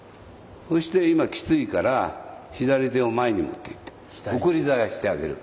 そして今きついから左手を前に持っていって送り鞘してあげる。